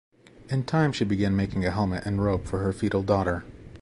In time she began making a helmet and robe for her fetal daughter.